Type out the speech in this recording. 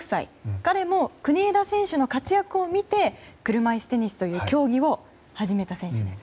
彼も国枝選手の活躍を見て車いすテニスという競技を始めた選手です。